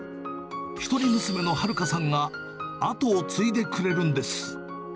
一人娘の晴香さんが後を継いでくれるんです。